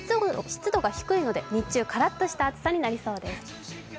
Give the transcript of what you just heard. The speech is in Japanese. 湿度が低いので、日中、からっとした暑さになりそうです。